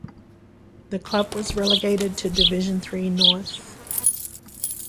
The club was relegated to Division Three North.